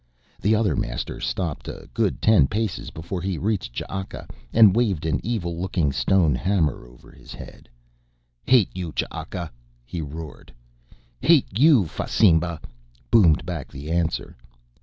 The other master stopped a good ten paces before he reached Ch'aka and waved an evil looking stone hammer over his head. "Hate you, Ch'aka!" he roared. "Hate you, Fasimba!" boomed back the answer.